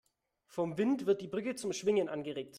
Vom Wind wird die Brücke zum Schwingen angeregt.